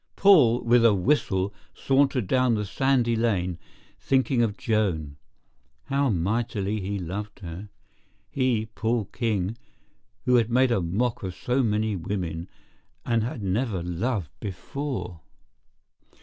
Paul, with a whistle, sauntered down the sandy lane, thinking of Joan. How mightily he loved her—he, Paul King, who had made a mock of so many women and had never loved before!